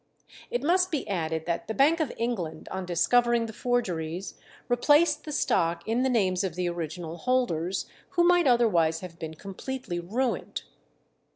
It must be added that the Bank of England, on discovering the forgeries, replaced the stock in the names of the original holders, who might otherwise have been completely ruined.